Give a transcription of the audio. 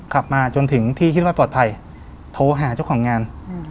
ขับมาจนถึงที่คิดว่าปลอดภัยโทรหาเจ้าของงาน